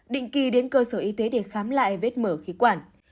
định kỳ đến cơ sở y tế để khám lại vết mở khí quản